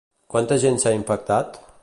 Quanta gent s'ha infectat?